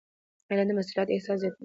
علم د مسؤلیت احساس زیاتوي.